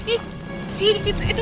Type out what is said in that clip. itu mereka tuh itu